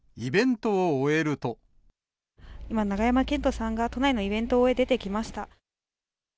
今、永山絢斗さんが都内のイベントを終え、出てきました。